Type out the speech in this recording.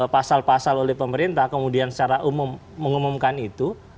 pasal pasal oleh pemerintah kemudian secara umum mengumumkan itu